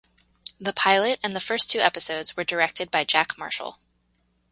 The pilot and the first two episodes were directed by Jack Marshall.